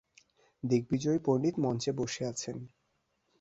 দিগ্বিজয়ী পণ্ডিত মঞ্চে বসে আছেন।